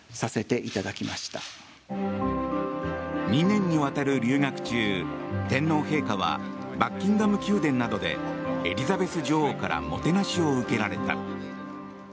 ２年にわたる留学中天皇陛下はバッキンガム宮殿などでエリザベス女王からもてなしを受けられた。